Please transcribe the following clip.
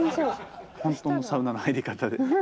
本当のサウナの入り方で。